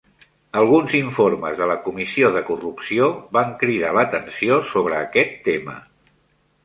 Alguns informes de la comissió de corrupció van cridar l'atenció sobre aquest tema.